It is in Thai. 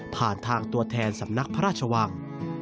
ผ่านทางตัวแทนสำนักพระราชวัง